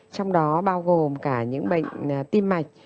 trong đó bao gồm cả những bệnh tim mạch